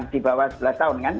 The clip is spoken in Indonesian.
di bawah sebelas tahun kan